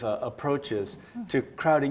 cara yang sangat inovatif